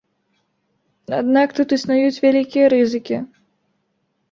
Аднак тут існуюць вялікія рызыкі.